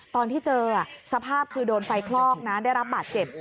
ตอนที่เจอสภาพคือโดนไฟคลอกนะได้รับบาดเจ็บ